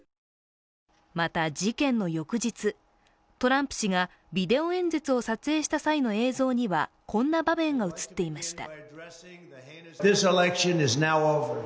また、事件の翌日、トランプ氏がビデオ演説を撮影した際の映像にはこんな場面が映っていました。